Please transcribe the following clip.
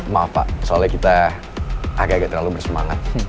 maaf pak soalnya kita agak agak terlalu bersemangat